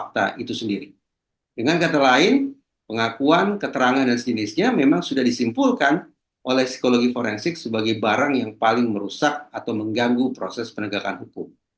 terima kasih pengakuan keterangan dan sejenisnya memang sudah disimpulkan oleh psikologi forensik sebagai barang yang paling merusak atau mengganggu proses penegakan hukum